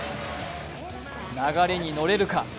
流れに乗れるか。